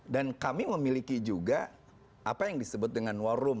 dan kami memiliki juga apa yang disebut dengan war room